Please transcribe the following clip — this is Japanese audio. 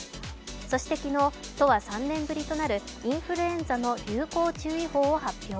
そして昨日、都は３年ぶりとなるインフルエンザの流行注意報を発表。